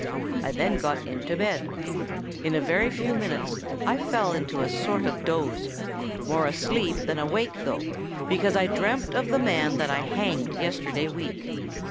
I then got into bed. In a very few minutes I fell into a sort of doze—more asleep than awake though, because I dreamt of the man that I hanged yesterday week.